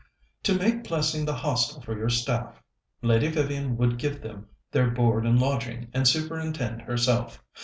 "To make Plessing the Hostel for your staff. Lady Vivian would give them their board and lodging, and superintend herself.